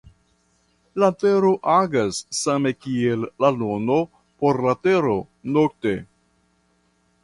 La Tero agas same kiel la Luno por la Tero nokte.